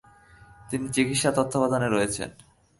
তিনি চিকিৎসা তত্ত্বাবধানে রয়েছেন।